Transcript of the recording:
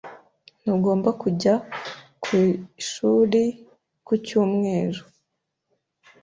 Ntugomba kujya ku ishuri ku cyumweru.